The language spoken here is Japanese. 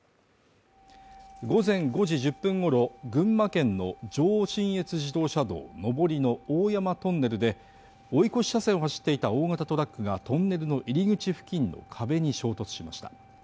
午前５時１０分ごろ、群馬県の上信越自動車道上りの大山トンネルで追い越し車線を走っていた大型トラックがトンネルの入口付近の壁に衝突しました。